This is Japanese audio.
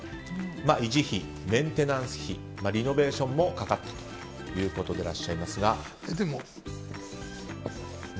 維持費、メンテナンス費リノベーションもかかったということですが。